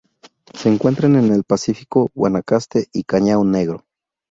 Se encuentran en el Pacífico Guanacaste y Caño Negro.